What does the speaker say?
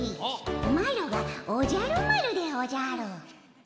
マロがおじゃる丸でおじゃる。